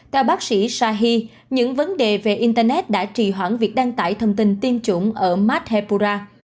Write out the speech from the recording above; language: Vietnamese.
theo bác sĩ shahi những vấn đề về internet đã trì hoãn việc đăng tải thông tin tiêm chủng ở madhepura